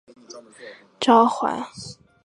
范讽在青州不超过一年就被召还。